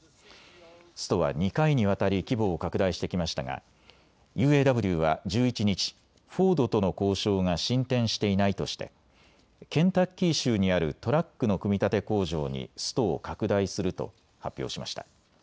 ストは２回にわたり規模を拡大してきましたがＵＡＷは１１日、フォードとの交渉が進展していないとしてケンタッキー州にあるトラックの組み立て工場にストを拡大すると発表しました。